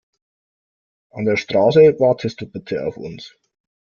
An der Straße wartest du bitte auf uns.